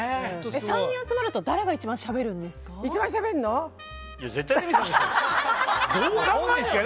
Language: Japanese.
３人集まると誰が一番しゃべるんですか？